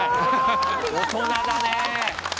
大人だね。